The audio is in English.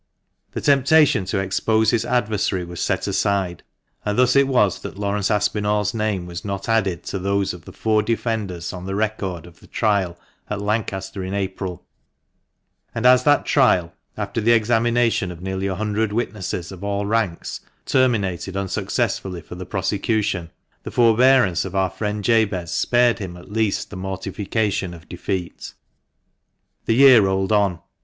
The temptation to expose his adversary was set aside, and thus it was that Laurence Aspinall's name was not added to cc 386 THE MANCHESTER MAN. those of the four defenders on the record of the trial at Lancaster in April ; and as that trial, after the examination of nearly a hundred witnesses of all ranks, terminated unsuccessfully for the prosecution, the forbearance of our friend Jabez spared him at least the mortification of defeat. The year rolled on.